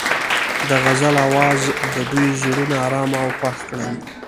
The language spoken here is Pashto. د غزل اواز د دوی زړونه ارامه او خوښ کړل.